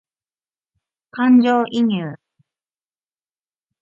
感情移入